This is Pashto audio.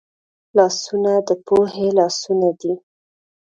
لاسونه د پوهې لاسونه دي